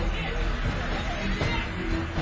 เร็วเร็ว